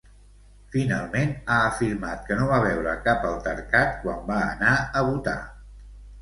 Finalment, ha afirmat que no va veure cap altercat quan va anar a votar.